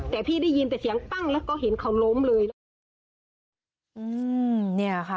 แต่พี่ได้ยินแต่เสียงปั้งแล้วก็เห็นเขาล้มเลยแล้วก็